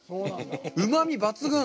うまみ抜群。